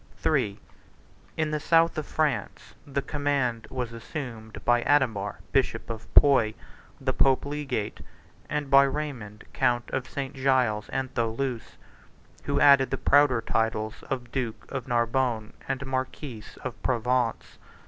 49 III. In the south of France, the command was assumed by Adhemar bishop of Puy, the pope egate, and by Raymond count of St. Giles and Thoulouse who added the prouder titles of duke of Narbonne and marquis of Provence.